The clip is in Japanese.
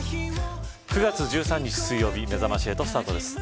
９月１３日水曜日めざまし８スタートです。